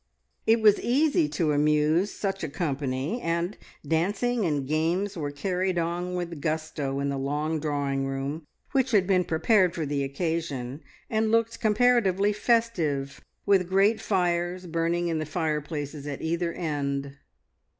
It was easy to amuse such a company, and dancing and games were carried on with gusto in the long drawing room, which had been prepared for the occasion, and looked comparatively festive with great fires burning in the fireplaces at either end.